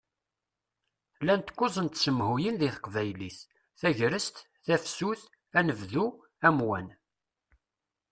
Llant kuẓ n tsemhuyin di teqbaylit: Tagrest, Tafsut, Anebdu, Amwan.